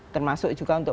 termasuk juga untuk